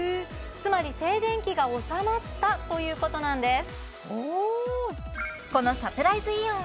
つまり静電気が収まったということなんです